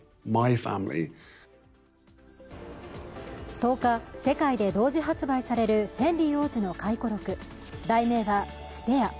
１０日、世界で同時発売されるヘンリー王子の回顧録、題名は「スペア」。